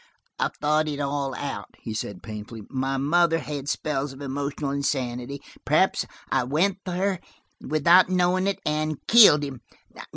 "I've thought it all out," he said painfully. "My mother had spells of emotional insanity. Perhaps I went there, without knowing it, and killed him.